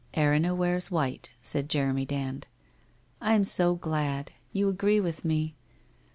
* Erinna wears white,' said Jeremy Dand. I I am so glad. You agree with me.